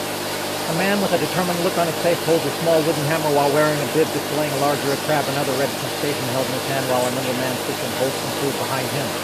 A man with a determined look on his face holds a small wooden hammer while wearing a bib displaying a large red crab another red crustacean held in his hand while another man sits and holds some food behind him